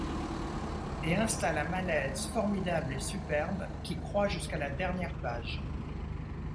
Et installe un malaise, formidable et superbe, qui croît jusqu'à la dernière page.